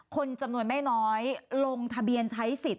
คนจำนวนไม่น้อยลงทะเบียนใช้สิทธิ์